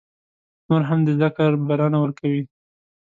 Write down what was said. نور هم د ذکر بلنه ورکوي.